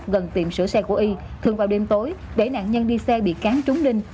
gần tiệm sửa xe của y thường vào đêm tối để nạn nhân đi xe bị cán trúng linh